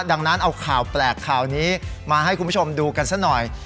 ดังนั้นเอาข่าวแปลกข่าวนี้มาให้คุณผู้ชมดูกันซะหน่อย